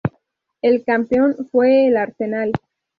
El campeón fue el Arsenal.